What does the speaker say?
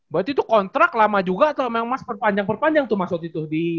berarti itu kontrak lama juga atau memang mas perpanjang perpanjang tuh mas waktu itu